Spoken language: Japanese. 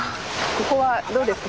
ここはどうですか？